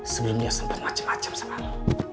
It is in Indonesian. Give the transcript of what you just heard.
sebelumnya sempet macem macem sama lo